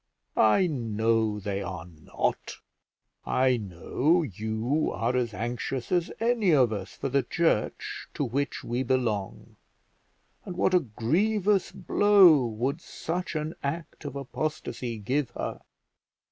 I know they are not. I know you are as anxious as any of us for the church to which we belong; and what a grievous blow would such an act of apostasy give her!